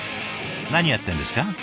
何やってるんですか？